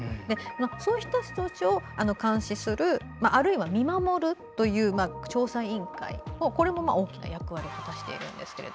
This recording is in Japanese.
その人たちを監視するあるいは見守るという調査委員会、これも大きな役割を果たしています。